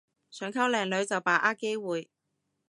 想溝靚女就把握機會